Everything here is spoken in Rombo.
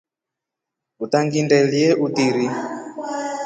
Utangindelye utiiri.